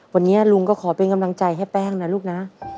วันนี้ลุงก็ขอเป็นกำลังใจให้แป้งนะลูกนะ